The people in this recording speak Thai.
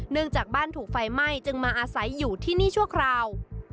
จากบ้านถูกไฟไหม้จึงมาอาศัยอยู่ที่นี่ชั่วคราว